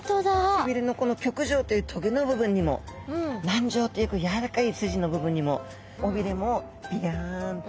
背びれのこの棘条というトゲの部分にも軟条というやわらかい筋の部分にも尾びれもびやんと。